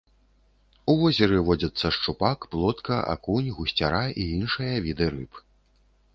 У возеры водзяцца шчупак, плотка, акунь, гусцяра і іншыя віды рыб.